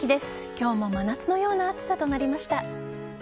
今日も真夏のような暑さとなりました。